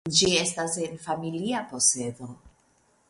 Ĝi estas en familia posedo.